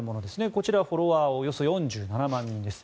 こちら、フォロワーはおよそ４７万人です。